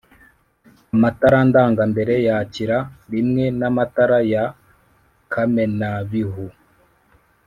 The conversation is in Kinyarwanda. Amatara ndangambere yakira rimwe n’amatara ya kamenabihu